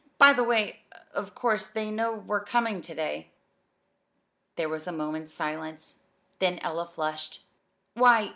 By the way, of course they know we're coming to day?" There was a moment's silence; then Ella flushed. "Why!